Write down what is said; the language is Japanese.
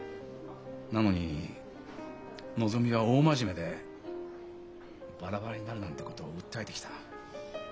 なのにのぞみは大真面目で「バラバラになる」なんてことを訴えてきた。